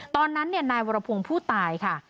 ตอนนั้นนายวรพงศ์ผู้ตายค่ะ